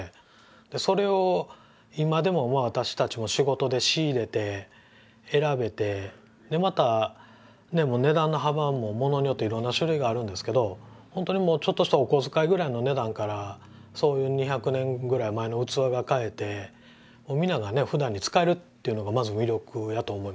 それを今でも私たちも仕事で仕入れて選べてまた値段の幅も物によっていろんな種類があるんですけど本当にもうちょっとしたお小遣いぐらいの値段からそういう２００年ぐらい前の器が買えてみんながふだんに使えるっていうのがまず魅力やと思います